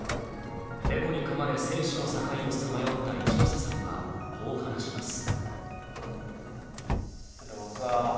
猫にかまれ、生死の境をさまよったいちのせさんはこう話します。